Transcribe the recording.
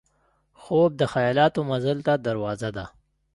خوب د خیالاتو مزل ته دروازه ده